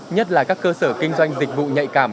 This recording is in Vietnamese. nhất là các cơ sở kinh doanh dịch vụ nhạy cảm